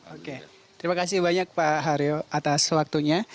oke terima kasih banyak pak haryo atas waktunya